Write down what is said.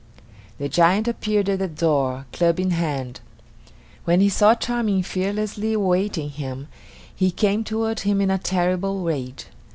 The giant appeared at the door, club in hand. When he saw Charming fearlessly awaiting him, he came toward him in a terrible rage.